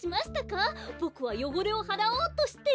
ボクはよごれをはらおうとして。